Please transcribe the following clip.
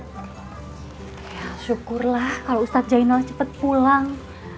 ya syukurlah kalau ustadz jainal cepet pulang